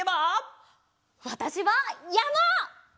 わたしはやま！